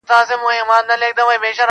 د موبايل ټول تصويرونهيېدلېپاتهسي,